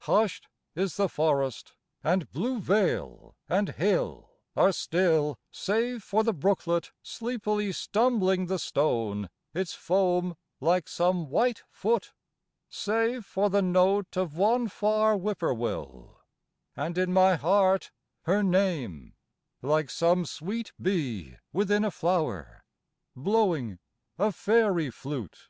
Hushed is the forest; and blue vale and hill Are still, save for the brooklet, sleepily Stumbling the stone, its foam like some white foot: Save for the note of one far whippoorwill, And in my heart her name, like some sweet bee Within a flow'r, blowing a fairy flute.